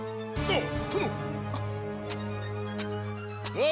あっ。